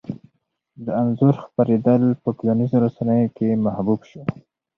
د انځور خپرېدل په ټولنیزو رسنیو کې محبوب شو.